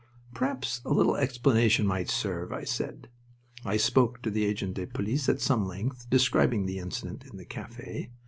"Perhaps a little explanation might serve," I said. I spoke to the agent de police at some length, describing the incident in the cafe.